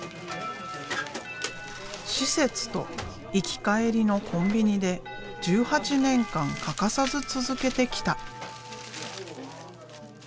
施設と行き帰りのコンビニで１８年間欠かさず続けてきた。